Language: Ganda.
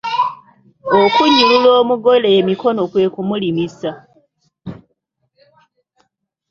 Okunnyulula omugole emikono kwe kumulimisa.